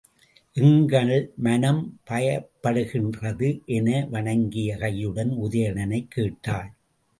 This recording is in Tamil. எங்கள் மனம் பயப்படுகிறது என வணங்கிய கையுடன் உதயணனைக் கேட்டாள்.